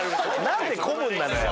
何で古文なのよ。